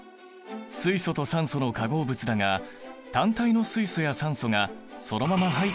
水素と酸素の化合物だが単体の水素や酸素がそのまま入っているわけではない。